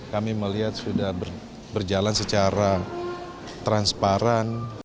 kami melihat sudah berjalan secara transparan